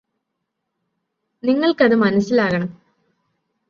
നിങ്ങള്ക്കത് മനസ്സിലാകണം